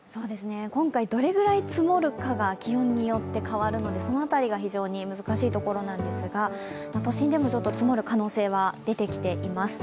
今回どれくらい積もるかが気温によって変わるのでその辺りが非常に難しいところなんですが都心でもちょっと積もる可能性は出てきています。